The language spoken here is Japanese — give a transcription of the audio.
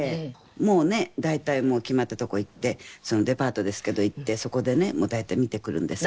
もう大体決まったとこ行ってデパートですけど行ってそこでね大体見てくるんですけど。